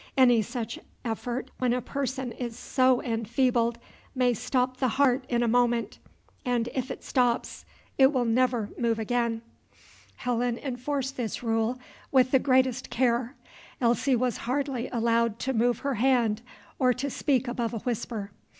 Any such effort, when a person is so enfeebled, may stop the heart in a moment; and if it stops, it will never move again." Helen enforced this rule with the greatest care. Elsie was hardly allowed to move her hand or to speak above a whisper.